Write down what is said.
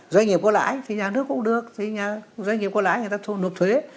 doanh nghiệp có lãi thì nhà nước cũng được doanh nghiệp có lãi người ta thu nộp thuế